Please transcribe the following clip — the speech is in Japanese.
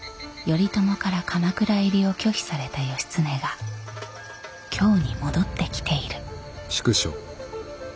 頼朝から鎌倉入りを拒否された義経が京に戻ってきている。